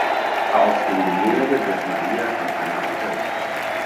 Auf dem Gemälde wird Maria von Anna unterrichtet.